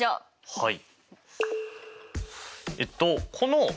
はい。